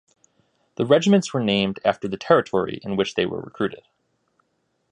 The regiments were named after the territory in which they were recruited.